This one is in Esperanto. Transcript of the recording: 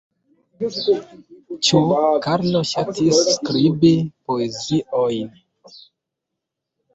Ĉu Karlo ŝatis skribi poeziojn?